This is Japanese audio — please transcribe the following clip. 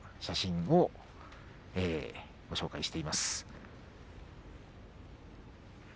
写真をご紹介しています。